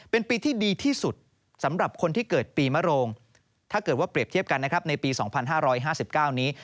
เป็นปีที่ดีที่สุดสำหรับคนที่เกิดปีมโรงถ้าเกิดว่าเปรียบเทียบกันนะครับในปี๒๕๕๙นี้